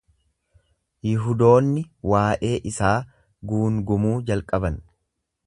Yihudoonni waa’ee isaa guungumuu jalqaban.